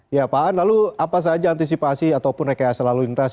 ya pak aan lalu apa saja antisipasi ataupun rekayasa lalu lintas